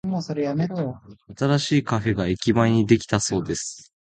新しいカフェが駅前にできたそうです。